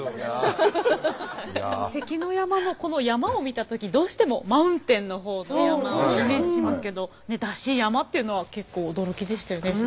「関の山」のこの「山」を見た時どうしてもマウンテンの方の山をイメージしますけど山車山車っていうのは結構驚きでしたよね。